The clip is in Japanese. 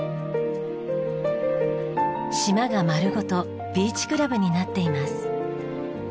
島が丸ごとビーチクラブになっています。